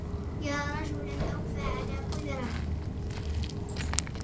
يا رجلا أوفى على كل رجل